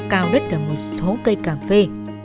cao đứt ở một hố cây cà phê